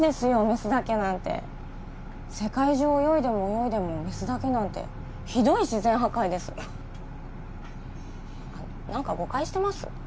メスだけなんて世界中泳いでも泳いでもメスだけなんてひどい自然破壊です何か誤解してます？